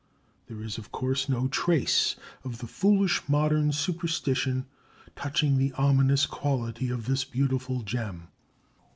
There is, of course, no trace of the foolish modern superstition touching the ominous quality of this beautiful gem.